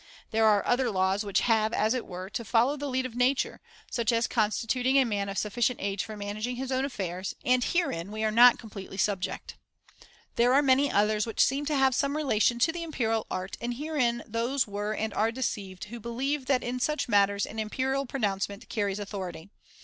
There IX. THE FOURTH TREATISE 273 are other laws which have, as it were, to follow Authority the lead of nature, such as constituting a man of o^ empire sufficient age for managing his own affairs, and r^Jg* herein we are not completely subject. C160J There are many others which seem to have some relation to the imperial art ; and herein those were and are deceived who believe that in such matters an imperial pronouncement carries authority.